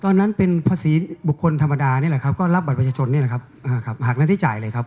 ตอนนั้นเป็นภาษีบุคคลธรรมดานี่แหละครับก็รับบัตรประชาชนนี่แหละครับหักหน้าที่จ่ายเลยครับ